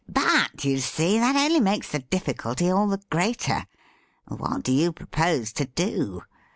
' But, you see, that only makes the difficulty all the greater. What do you propose to do